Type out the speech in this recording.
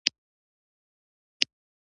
پیلوټ باید انګلیسي ښه وپېژني.